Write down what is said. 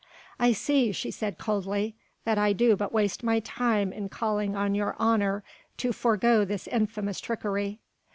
"I see," she said coldly, "that I do but waste my time in calling on your honour to forego this infamous trickery.